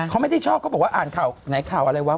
ก็บอกว่าอ่านข่าวไหนข่าวอะไรวะ